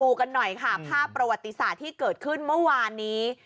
กันหน่อยค่ะภาพประวัติศาสตร์ที่เกิดขึ้นเมื่อวานนี้